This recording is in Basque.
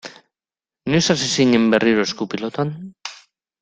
Noiz hasi zinen berriro esku-pilotan?